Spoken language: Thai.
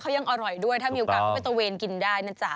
เขายังอร่อยด้วยถ้ามีโอกาสก็ไปตะเวนกินได้นะจ๊ะ